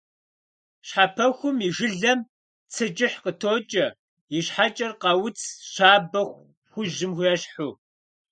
Щхьэпэхум и жылэм цы кӀыхь къытокӀэ, и щхьэкӀэр «къауц» щабэ хужьым ещхьу.